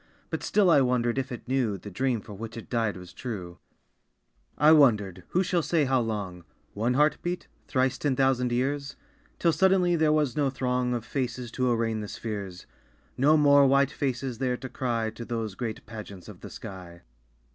But still I wondered if it knew The dream for which it died was true. I wondered who shall say how long? (One heart beat? Thrice ten thousand years?) Till suddenly there was no throng Of faces to arraign the spheres, No more white faces there to cry To those great pageants of the sky.